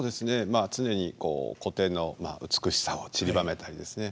まあ常にこう古典の美しさをちりばめたりですね